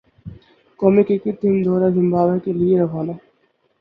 قومی cricket team دورہ Zimbabwe کے لئے روانہ